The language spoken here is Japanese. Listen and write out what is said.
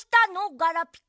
ガラピコ。